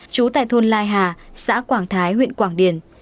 trú tại thôn lai hà xã quảng thái huyện quảng điền